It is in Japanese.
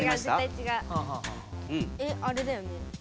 えあれだよね？